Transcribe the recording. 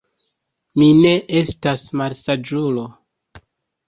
Mi ne estas malsaĝulo.